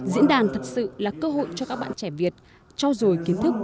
diễn đàn thật sự là cơ hội cho các bạn trẻ việt trau dồi kiến thức